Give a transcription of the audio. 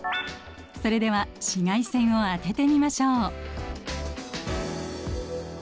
それでは紫外線を当ててみましょう。